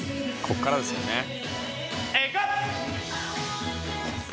こっからですよね。